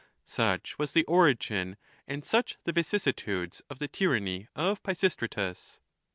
Such was the origin and such the vicis situdes of the tyranny of Pisistratus.